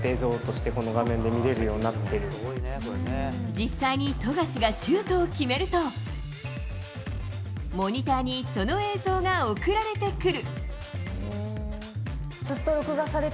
実際に富樫がシュートを決めるとモニターにその映像が送られてくる。